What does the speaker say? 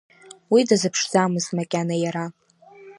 Уи дазыԥшӡамызт макьана иара…